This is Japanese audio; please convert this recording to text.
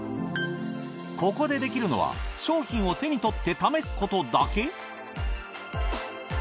ここでできるのは商品を手に取って試すことだけ？